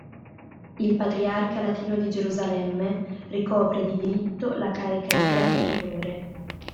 Il Patriarca latino di Gerusalemme ricopre di diritto la carica di Gran Priore.